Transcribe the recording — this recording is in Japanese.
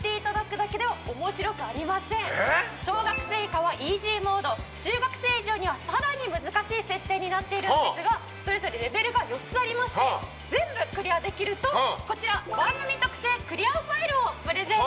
小学生以下はイージーモード中学生以上にはさらに難しい設定になっているんですがそれぞれレベルが４つありまして全部クリアできるとこちら番組特製クリアファイルをプレゼント致します。